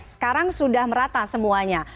sekarang sudah merata semuanya